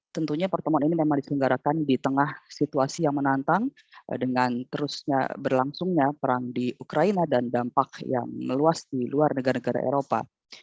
tentunya pertemuan ini memang diselenggarakan di tengah situasi yang menantang dengan terusnya berlangsungnya perang di ukraina dan dampak yang meluas di luar negara negara eropa